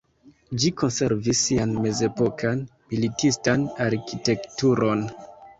Ĝi konservis sian mezepokan militistan arkitekturon.